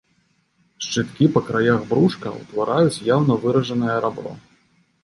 Шчыткі па краях брушка ўтвараюць яўна выражанае рабро.